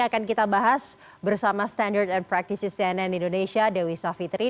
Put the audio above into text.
akan kita bahas bersama standard and practices cnn indonesia dewi savitri